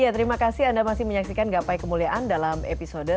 ya terima kasih anda masih menyaksikan gapai kemuliaan dalam episode